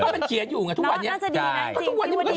มันเขียนอยู่ไงทุกวันนี้น่าจะดีนะจริง